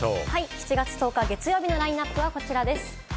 ７月１０日月曜日のラインナップはこちらです。